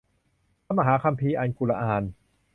พระมหาคัมภีร์อัลกุรอาน